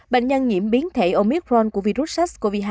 bệnh nhân nhiễm biến thể omicron của virus sars cov hai